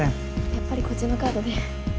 やっぱりこっちのカードで。